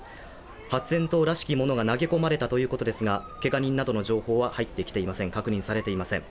発煙筒らしきものが投げ込まれたということですが、けが人などの情報は入ってきていません確認されていません。